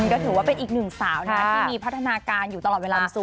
ก็ถือว่าเป็นอีกหนึ่งสาวนะที่มีพัฒนาการอยู่ตลอดเวลา